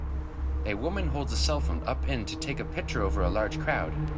A woman holds a cellphone up in to take a picture over a large crowd.